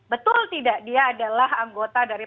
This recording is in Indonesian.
betul tidak dia adalah anggota dari